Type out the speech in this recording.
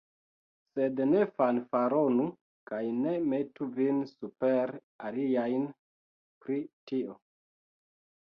Sed ne fanfaronu kaj ne metu vin super aliajn pri tio.